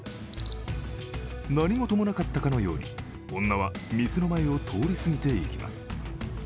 何事もなかったかのように女は店の前を通りすぎていきます。